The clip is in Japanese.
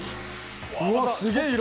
うわあすげえ色！